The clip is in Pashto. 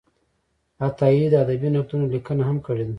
عطایي د ادبي نقدونو لیکنه هم کړې ده.